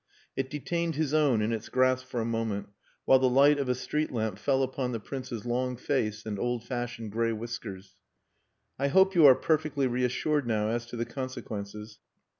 It detained his own in its grasp for a moment, while the light of a street lamp fell upon the Prince's long face and old fashioned grey whiskers. "I hope you are perfectly reassured now as to the consequences..."